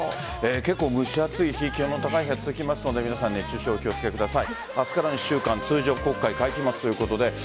結構蒸し暑い日気温の高い日が続きますので皆さん、熱中症お気を付けください。